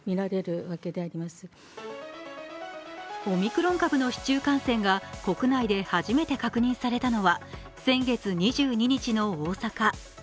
オミクロン株の市中感染が国内で初めて確認されたのは先月２２日の大阪。